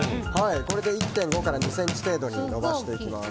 これで１．５から２ｃｍ程度に伸ばしていきます。